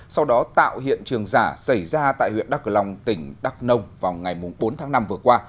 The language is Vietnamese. sau đó tạo hiện trường giả xảy ra tại huyện đắk cờ long tỉnh đắk nông vào ngày bốn tháng năm vừa qua